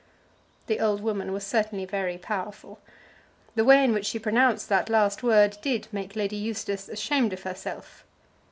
The old woman was certainly very powerful. The way in which she pronounced that last word did make Lady Eustace ashamed of herself.